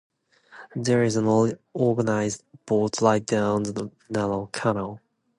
There is an organized boat ride down the narrow canal.